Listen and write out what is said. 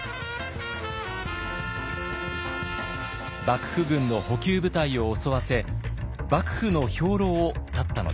幕府軍の補給部隊を襲わせ幕府の兵糧を絶ったのです。